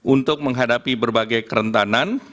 untuk menghadapi berbagai kerentanan